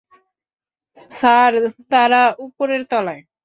Sir, তারা উপরের তলায়।